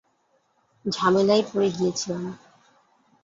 ঝামেলায় পড়ে গিয়েছিলাম।